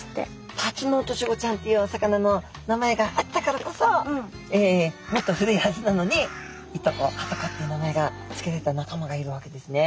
タツノオトシゴちゃんっていうお魚の名前があったからこそもっと古いはずなのにイトコハトコっていう名前がつけられた仲間がいるわけですね。